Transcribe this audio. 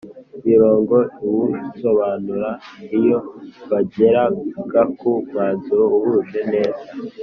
mirongo iwusobanura Iyo bageraga ku mwanzuro uhuje neza